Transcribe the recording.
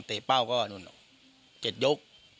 เตะเป้าก็๗ยก